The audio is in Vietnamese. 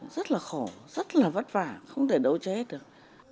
rất là khổ rất là vất vả không thể đâu chế hết được